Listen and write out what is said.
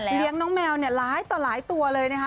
เลี้ยงน้องแมวหลายต่อหลายตัวเลยนะคะ